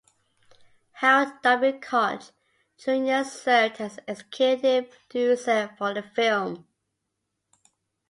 Howard W. Koch, Junior served as an executive producer for the film.